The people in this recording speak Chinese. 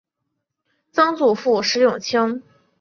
曾祖父石永清。